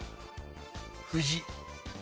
藤。